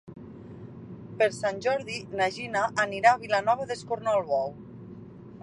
Per Sant Jordi na Gina anirà a Vilanova d'Escornalbou.